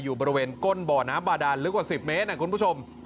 อยู่บริเวณก้นบ่อน้ำบาดานลึกกว่า๑๐เมตรคุณผู้ชม